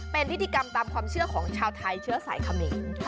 เป็นพิธีกรรมตามความเชื่อของชาวไทยเชื้อสายเขมร